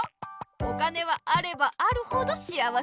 お金はあればあるほど幸せだね。